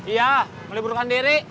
iya meliburkan diri